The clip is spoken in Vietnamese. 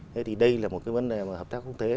thế thì đây là một cái vấn đề mà hợp tác quốc tế